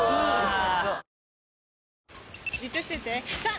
じっとしてて３！